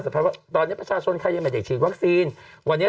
ว่าตอนนี้ประชาชนใครยังไม่ได้ฉีดวัคซีนวันนี้